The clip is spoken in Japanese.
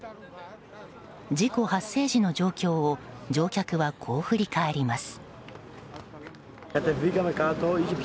事故発生時の状況を乗客はこう振り返ります。